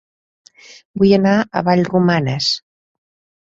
Vull anar a Vallromanes